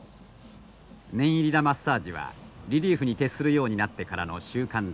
念入りなマッサージはリリーフに徹するようになってからの習慣である。